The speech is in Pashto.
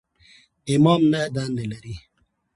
امام نهه دندې لري.